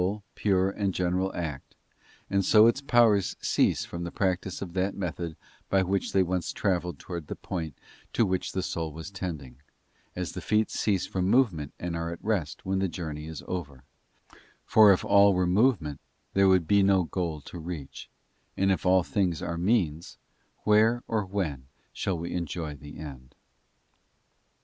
3 BOOK one sole, pure, and general act; and so its powers cease from —— the practice of that method by which they once travelled towards the point to which the soul was tending; as the feet cease from movement and are at rest when the journey is over; for if all were movement, there would be no goal to reach, and if all things are means, where or when shall we enjoy the end?